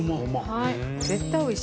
はい。